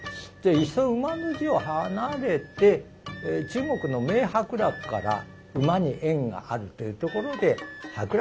いっそ「馬」の字を離れて中国の名伯楽から「馬」に縁があるというところで「伯楽」